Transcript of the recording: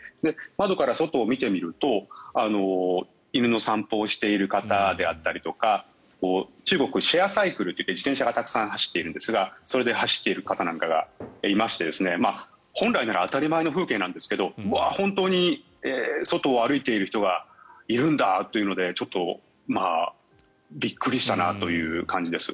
窓から外を見てみると犬の散歩をしている方であったりとか中国、シェアサイクルといって自転車がたくさん走っているんですがそれで走っている方なんかがいまして本来なら当たり前の風景なんですけどうわ、本当に外を歩いている人がいるんだというのでちょっとびっくりしたなという感じです。